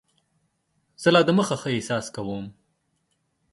زه لا دمخه ښه احساس کوم.